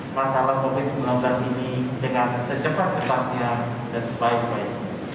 masalah covid sembilan belas ini dengan secepat cepatnya dan sebaik baik